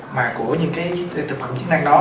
mà của những cái thực phẩm chức năng đó